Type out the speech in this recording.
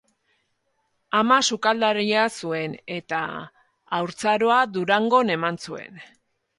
Ama sukaldaria zuen eta haurtzaroa Durangon eman zuen.